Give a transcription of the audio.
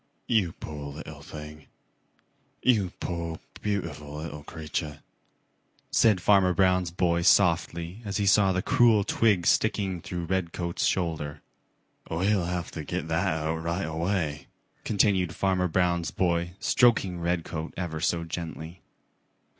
"You poor little thing. You poor, beautiful little creature," said Farmer Brown's boy softly as he saw the cruel twig sticking through Redcoats' shoulder. "We'll have to get that out right away," continued Farmer Brown's boy, stroking Redcoat ever so gently.